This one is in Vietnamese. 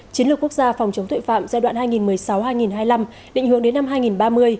chiến lược quốc gia phòng chống tội phạm giai đoạn hai nghìn một mươi sáu hai nghìn hai mươi năm định hướng đến năm hai nghìn ba mươi